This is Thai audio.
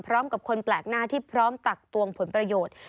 คนแปลกหน้าที่พร้อมตักตวงผลประโยชน์